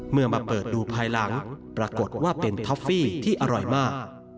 เมื่อมาเปิดดูภายหลังปรากฏว่าเป็นท็อฟฟี่ที่อร่อยมาก